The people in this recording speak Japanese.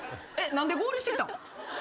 何で合流してきたん？